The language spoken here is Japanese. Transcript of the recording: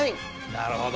なるほど。